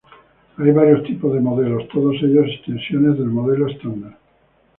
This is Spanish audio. Hay varios tipos de modelos, todos ellos extensiones del Modelo Estándar.